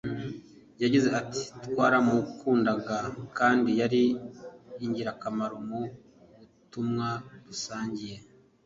yagize ati“Twamukundaga kandi yari ingirakamaro mu butumwa dusangiye